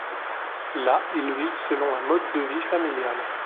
Là, ils vivent selon un mode de vie familial.